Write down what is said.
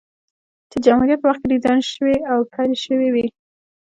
چې د جمهوريت په وخت کې ډيزاين شوې او پېل شوې وې،